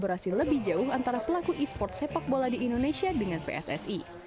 kolaborasi lebih jauh antara pelaku e sports sepak bola di indonesia dengan pssi